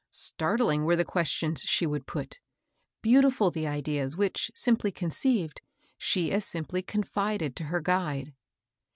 Startling were the questions she would put, beautiful the ideas which, simply conceived, she as simply confided to her guide.